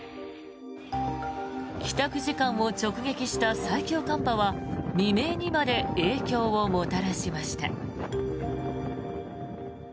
帰宅時間を直撃した最強寒波は未明にまで影響をもたらしました。